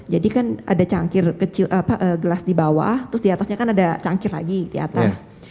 jadi kan ada cangkir kecil apa gelas di bawah terus di atasnya kan ada cangkir lagi di atas